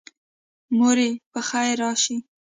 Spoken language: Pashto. موري پخیر راشي